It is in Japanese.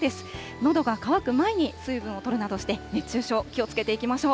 のどが渇く前に水分をとるなどして、熱中症、気をつけていきましょう。